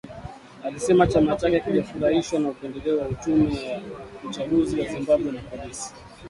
Alisema chama chake hakijafurahishwa na upendeleo wa tume ya uchaguzi ya Zimbabwe, na polisi.